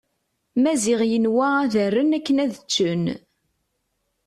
Maziɣ yenwa ad rren akken ad ččen.